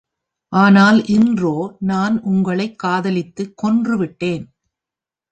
ஆனால் இன்றோ, நான் உங்களைக் காதலித்துக் கொன்றுவிட்டேன்!.